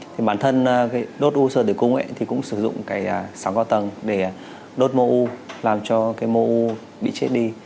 thì bản thân cái đốt u sơ tử cung thì cũng sử dụng cái xào cao tầng để đốt mô u làm cho cái mô u bị chết đi